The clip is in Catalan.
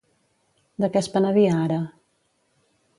De què es penedia ara?